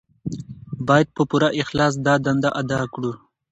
باید په پوره اخلاص دا دنده ادا کړو.